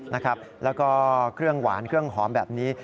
แล้วก็เครื่องหวานเครื่องหอมแบบนี้